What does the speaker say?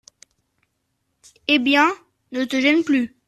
Eh bien, ne te gêne plus.